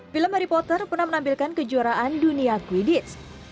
film harry potter pernah menampilkan kejuaraan dunia quidits